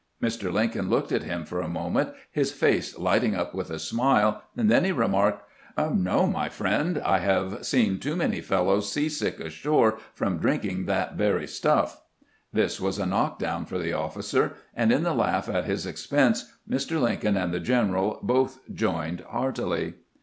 Mr. Lincoln looked at him for a moment, his face lighting up with a smile, and then remarked :" No, my friend ; I have seen too many fel lows seasick ashore from drinking that very stuff." This was a knockdown for the officer, and in the laugh at his expense Mr. Lincoln and the general both joined heartily.